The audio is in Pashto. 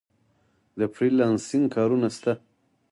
د فری لانسینګ کارونه شته؟